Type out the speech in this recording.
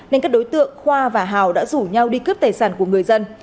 nên các đối tượng khoa và hào đã rủ nhau đi cướp tài sản của người dân